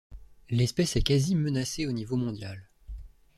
L'espèce est quasi menacée au niveau mondial.